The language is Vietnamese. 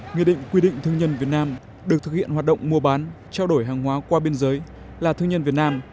nghị định quy định thương nhân việt nam được thực hiện hoạt động mua bán trao đổi hàng hóa qua biên giới là thương nhân việt nam